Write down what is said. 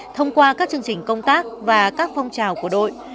thông qua các chương trình công tác và các phong trào của đội